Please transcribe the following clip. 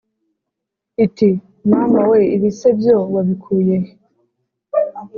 , iti “Mama we ! Ibi se byo wabikuye he